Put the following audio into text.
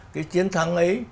cái chiến thắng ấy